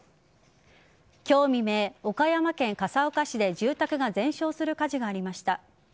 今日未明、岡山県笠岡市で住宅が全焼する火事がありました。